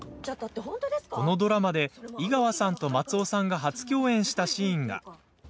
このドラマで、井川さんと松尾さんが初共演したシーンが。